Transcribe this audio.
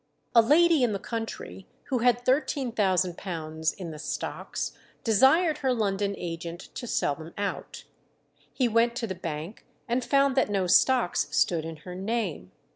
A lady in the country, who had £13,000 in the stocks, desired her London agent to sell them out. He went to the bank, and found that no stocks stood in her name.